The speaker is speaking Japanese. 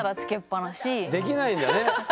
できないんだね。